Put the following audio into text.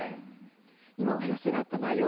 今、お話があった内容